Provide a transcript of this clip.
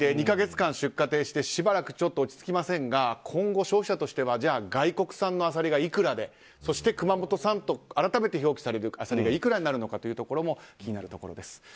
２か月間出荷停止でしばらくちょっと落ち着きませんが今後、消費者としては外国産のアサリがいくらでそして熊本産と改めて表記されるアサリがいくらになるのかというところも気になるところです。